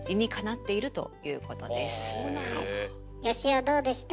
よしおどうでした？